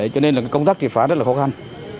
cho nên là công tác triệt phá rất là khó khăn